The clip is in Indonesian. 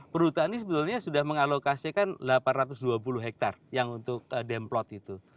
perhutani sebetulnya sudah mengalokasikan delapan ratus dua puluh hektare yang untuk demplot itu